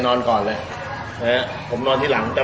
เจ็บเข้าไปแล้ว